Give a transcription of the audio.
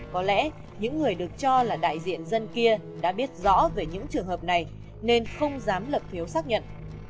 có lẽ những người được cho là đại diện dân kia đã biết rõ về những trường hợp này nên không dám lập phiếu xác nhận